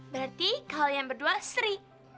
berarti kalian berdua seri